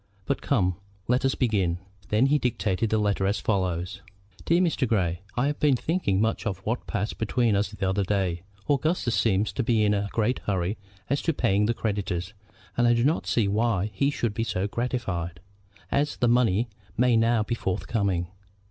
But come, let us begin." Then he dictated the letter as follows: "DEAR MR. GREY, I have been thinking much of what passed between us the other day. Augustus seems to be in a great hurry as to paying the creditors, and I do not see why he should not be gratified, as the money may now be forthcoming.